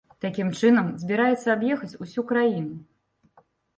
Такім чынам збіраецца аб'ехаць усю краіну.